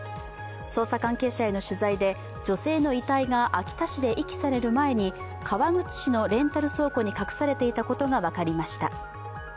捜査関係者への取材で、女性の遺体が秋田市で遺棄される前に川口市のレンタル倉庫に隠されていたことが分かりました。